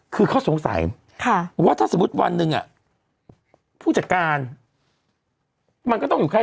คือเขาสงสัยว่าถ้าสมมุติวันหนึ่งผู้จัดการมันก็ต้องอยู่แค่